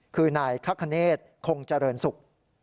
คือนายคักขนต์คงเจริญสุข